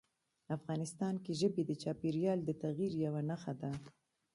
افغانستان کې ژبې د چاپېریال د تغیر یوه نښه ده.